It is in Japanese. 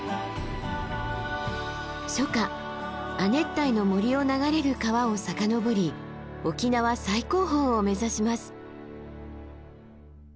初夏亜熱帯の森を流れる川を遡り沖縄最高峰を目指します。